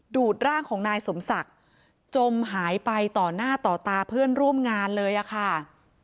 ดูดร่างของนายสมศักดิ์จมหายไปต่อหน้าต่อตาเพื่อนร่วมงานเลยอะค่ะ